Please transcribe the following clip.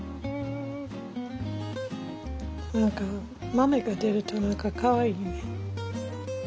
何か豆が出ると何かかわいいね。